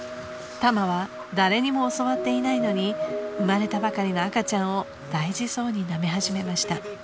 ［タマは誰にも教わっていないのに生まれたばかりの赤ちゃんを大事そうになめ始めました］